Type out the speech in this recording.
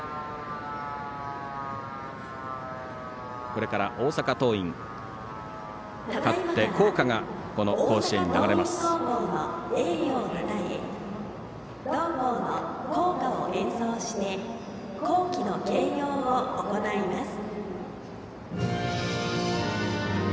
これから大阪桐蔭、勝って校歌が甲子園に流れます。